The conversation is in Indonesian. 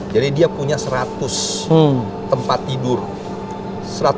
jadi dia punya seratus tempat tidur